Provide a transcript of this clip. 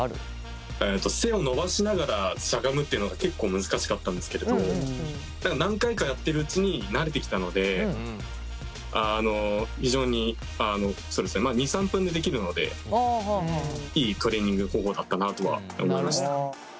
背を伸ばしながらしゃがむっていうのが結構難しかったんですけれど何回かやっているうちに慣れてきたので非常に２３分でできるのでいいトレーニング方法だったなとは思いました。